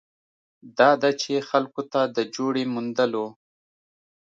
دا ده چې خلکو ته د جوړې موندلو